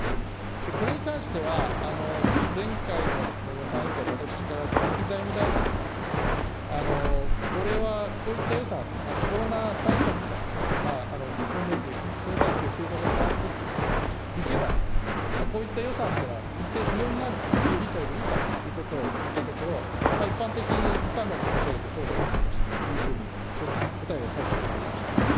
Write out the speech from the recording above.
これに関しては、前回の予算委員会で私から鈴木財務大臣に、これは、こういった予算、コロナ対策が進んでいって、それに対する政策が変わっていっていけば、こういった予算というのは一転、不要になるという理解でいいかということを聞いたところ、一般的に一般論で申し上げてそうだと思いますと、そういうふうに答えが返ってまいりました。